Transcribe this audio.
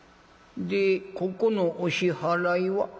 「でここのお支払いは？」。